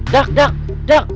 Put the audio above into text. dak dak dak